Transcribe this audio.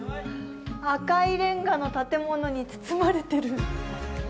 赤いレンガの建物に包まれてる。